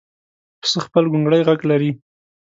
پسه خپل ګونګړی غږ لري.